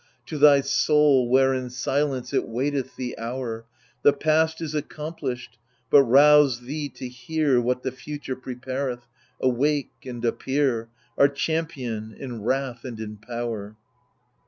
To thy soul, where in silence it waiteth the hour 1 The past is accomplished ; but rouse thee to hear What the future prepareth ; awake and appear. Our champion, in wrath and in power